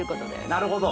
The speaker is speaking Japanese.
なるほど。